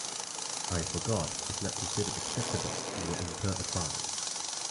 "I forgot" is not considered acceptable and will incur a fine.